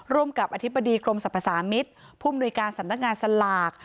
ร่วมกับอธิบดีกรมสรรพสามิตรผู้มนุยการสำนักงานสลาก